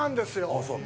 ああ、そう。